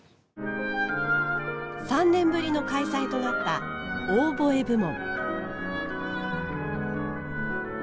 ３年ぶりの開催となったオーボエ部門。